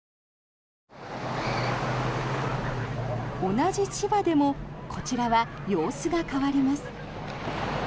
同じ千葉でもこちらは様子が変わります。